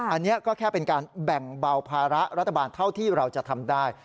อันนี้ก็แค่เป็นการแบ่งเบาภาระรัฐบาลเท่าที่เราจะทำได้